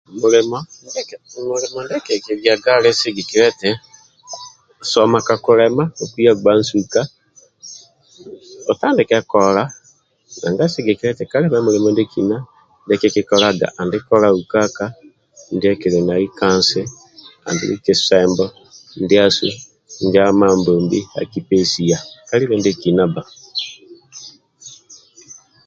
Milimo ndie kikigiaga ali sigikilia eti soma kakulema okuya gba nsuka otandike kola nanga sigikilia eti kalibe mulimo ndiekina ndie kikikolaga andibkola ukaka ndie kili nai kansi andulu kisembo ndia Mambombi akipesia kalibe ndiekina bba